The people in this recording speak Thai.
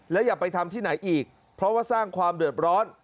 อย่าไปทำที่ไหนอีกเพราะว่าสร้างความเดือดร้อน